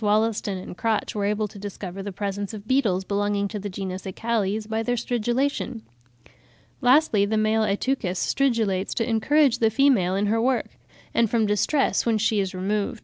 Wollaston and Crotch were able to discover the presence of beetles belonging to the genus Acalles by their stridulation. Lastly, the male Ateuchus stridulates to encourage the female in her work, and from distress when she is removed. (79. M. P.